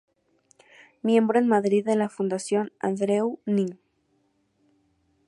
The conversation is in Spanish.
Miembro en Madrid de la Fundación Andreu Nin.